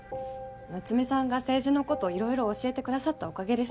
夏目さんが政治のこといろいろ教えてくださったおかげです。